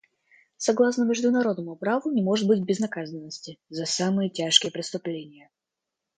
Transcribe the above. Согласно международному праву не может быть безнаказанности за самые тяжкие преступления.